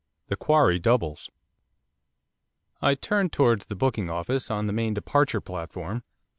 THE QUARRY DOUBLES I turned towards the booking office on the main departure platform.